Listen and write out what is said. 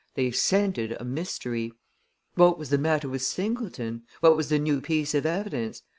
They scented a mystery. What was the matter with Singleton? What was the new piece of evidence?